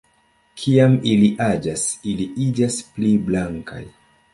Kiam ili aĝas ili iĝas pli blankaj.